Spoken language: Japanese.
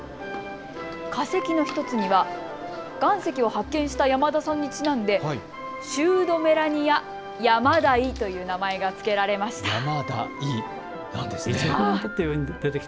化石の１つには岩石を発見した山田さんにちなんでシェードメラニア・ヤマダイという名前がつけられました。